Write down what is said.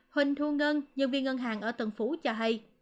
huỳnh thu ngân nhân viên ngân hàng ở tân phú cho hay